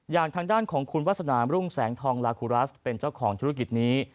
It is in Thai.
ทางด้านของคุณวาสนามรุ่งแสงทองลาคุรัสเป็นเจ้าของธุรกิจนี้